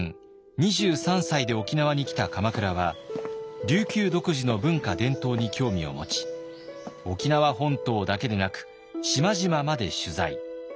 ２３歳で沖縄に来た鎌倉は琉球独自の文化伝統に興味を持ち沖縄本島だけでなく島々まで取材。